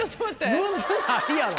ムズないやろ！